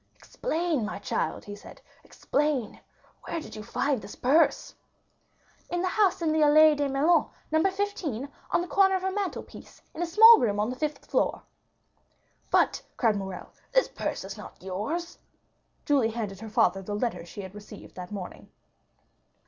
"Explain, my child," he said, "Explain, my child," he said, "explain—where did you find this purse?" "In a house in the Allées de Meilhan, No. 15, on the corner of a mantelpiece in a small room on the fifth floor." "But," cried Morrel, "this purse is not yours!" Julie handed to her father the letter she had received in the morning.